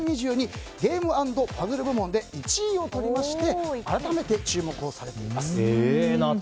ゲーム＆パズル部門で１位を取りまして改めて注目をされています。